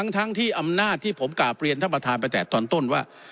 ทั้งที่อำนาจที่ผมกราบเรียนท่านประธานไปแต่ตอนต้นว่า